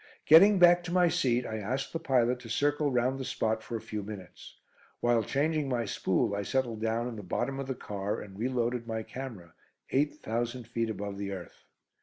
Getting back to my seat, I asked the pilot to circle round the spot for a few minutes. While changing my spool, I settled down in the bottom of the car and reloaded my camera, eight thousand feet above the earth.